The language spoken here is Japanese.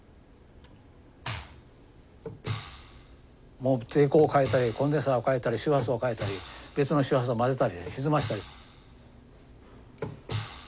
もう抵抗を変えたりコンデンサーを変えたり周波数を変えたり別の周波数を混ぜたりひずましたり。